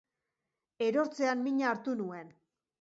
Erortzean mina hartu nuen